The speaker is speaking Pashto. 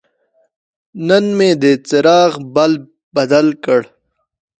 نن مې د څراغ بلب بدل کړ.